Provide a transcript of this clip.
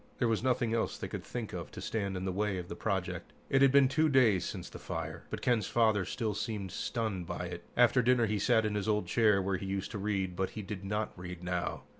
There was nothing else they could think of to stand in the way of the project. It had been two days since the fire, but Ken's father still seemed stunned by it. After dinner, he sat in his old chair where he used to read, but he did not read now.